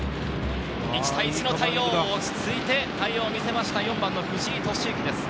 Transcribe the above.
１対１の対応、落ち着いて対応を見せました、４番の藤井利之です。